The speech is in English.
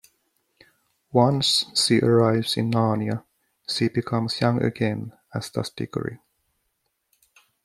Once she arrives in Narnia, she becomes young again, as does Digory.